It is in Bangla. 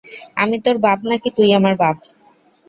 আমি তোর বাপ নাকি তুই আমার বাপ?